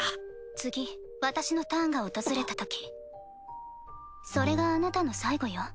次私のターンが訪れたときそれがあなたの最後よ。